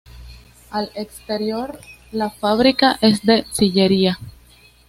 Al exterior la fábrica es de sillería.